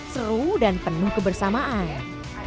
seru dan penuh kebersamaan